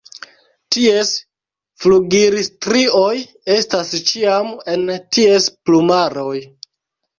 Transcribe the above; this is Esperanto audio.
Ties flugilstrioj estas ĉiam en ties plumaroj.